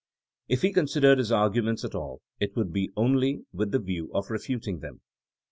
If he considered his arguments at aU, it would be only with the view of refuting them.